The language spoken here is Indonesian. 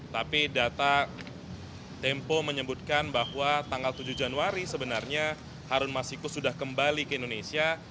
tapi data tempo menyebutkan bahwa tanggal tujuh januari sebenarnya harun masiku sudah kembali ke indonesia